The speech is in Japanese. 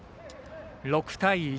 ６対１。